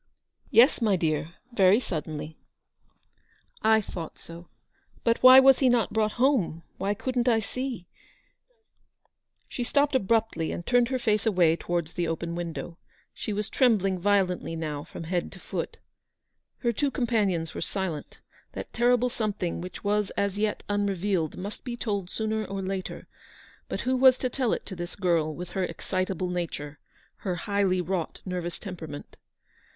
" Yes, my dear, very suddenly." " I thought so. But why was he not brought home ? Why couldn't I see —'* She stopped abruptly, and turned her face away towards the open window. She was trem bling violently now from head to foot. Her two companions were silent. That terrible something which was as yet unrevealed must be told sooner or later; but who was to tell it to GOOD SAMARITANS. 163 this girl, with her excitable nature, her highly wrought nervous temperament